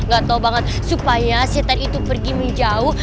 gatau banget supaya setan itu pergi menjauh